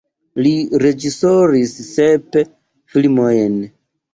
Li reĝisoris sep filmojn.